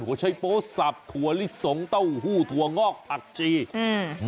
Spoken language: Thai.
เขาใช้โป๊สับถั่วลิสงเต้าหู้ถั่วงอกผักจีอืม